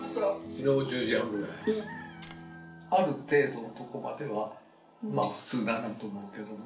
ある程度のとこまではまあ普通だなと思うけども。